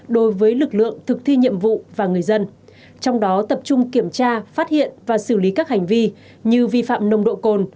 đối với lực lượng thực thi nhiệm vụ và người dân trong đó tập trung kiểm tra phát hiện và xử lý các hành vi như vi phạm nồng độ cồn